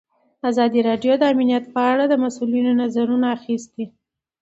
ازادي راډیو د امنیت په اړه د مسؤلینو نظرونه اخیستي.